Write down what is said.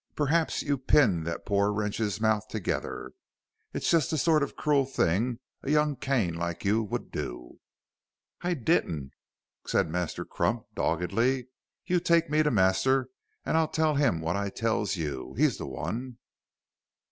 Perhaps you pinned the poor wretch's mouth together. It's just the sort of cruel thing a young Cain like you would do." "I didn't," said Master Clump, doggedly; "you take me to master, and I'll tell him what I tells you. He's the one."